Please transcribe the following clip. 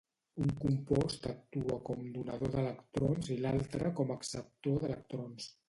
Un compost actua com donador d'electrons i l'altre com acceptor d'electrons.